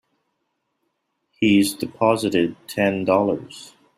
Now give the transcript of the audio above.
He's deposited Ten Dollars.